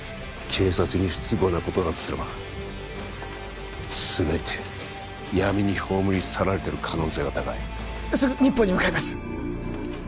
警察に不都合なことだとすれば全て闇に葬り去られてる可能性が高いすぐ日本に向かいます